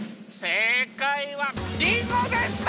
せいかいはリンゴでした！